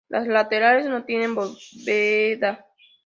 Las laterales no tienen bóveda.